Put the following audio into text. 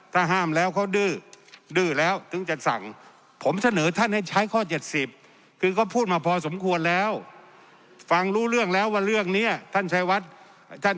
ถ้าห้ามแล้วเขาดื้อดื้อแล้วต้องจะสั่ง